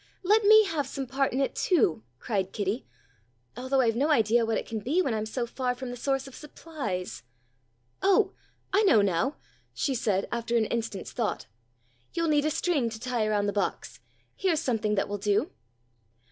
"Let me have some part in it too," cried Kitty. "Although I've no idea what it can be when I'm so far from the source of supplies. Oh, I know now," she said after an instant's thought. "You'll need a string to tie around the box. Here's something that will do."